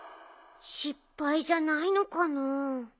しっぱいじゃないのかな？